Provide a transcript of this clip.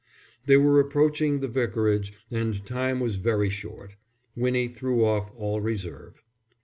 They were approaching the Vicarage and time was very short. Winnie threw off all reserve.